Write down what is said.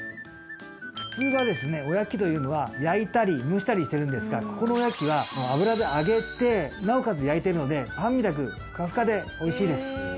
普通はですねおやきというのは焼いたり蒸したりしてるんですがここのおやきは油で揚げてなおかつ焼いているのでパンみたくふかふかで美味しいです。